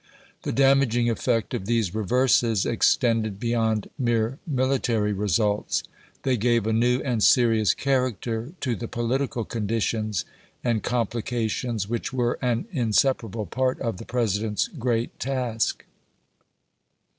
The damaging effect of these reverses extended beyond mere military results ; they gave a new and serious character to the political conditions and complications which were an inseparable part of the President's great task.